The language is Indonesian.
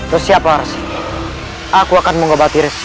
bersiap harus aku akan mengobati resi